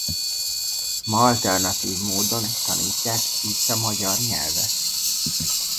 Ma alternatív módon tanítják itt a magyar nyelvet.